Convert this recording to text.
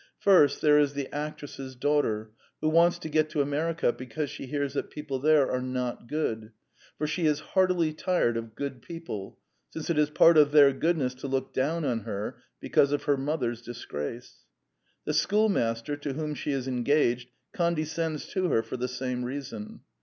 First, there is the actress's daughter, who wants to get to America because she hears that people there are not good; for she is heartily tired of good people, since it is part of their goodness to look down on her because of her mother's dis grace. The schoolmaster, to whom she is en gaged, condescends to her for the same reason.